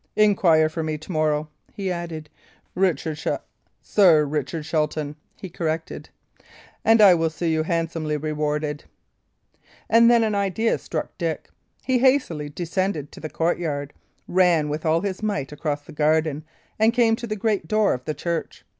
"Inquire for me to morrow," he added "Richard Shelt Sir Richard Shelton," he corrected, "and I will see you handsomely rewarded." And then an idea struck Dick. He hastily descended to the courtyard, ran with all his might across the garden, and came to the great door of the church.